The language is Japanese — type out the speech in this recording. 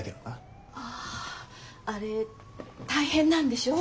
あああれ大変なんでしょ？